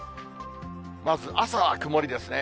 まず朝は曇りですね。